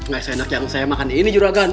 gak se enak yang saya makan ini juragan